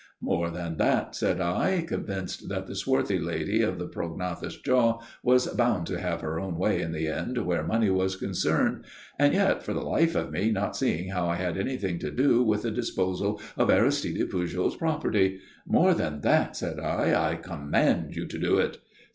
"More than that," said I, convinced that the swarthy lady of the prognathous jaw was bound to have her own way in the end where money was concerned, and yet for the life of me not seeing how I had anything to do with the disposal of Aristide Pujol's property "More than that," said I; "I command you to do it."